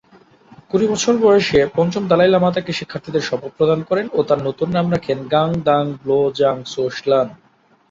কুড়ি বছর বয়সে পঞ্চম দলাই লামা তাকে শিক্ষার্থীর শপথ প্রদান করেন ও তার নতুন নাম রাখেন ঙ্গাগ-দ্বাং-ব্লো-ব্জাং-ছোস-ল্দান।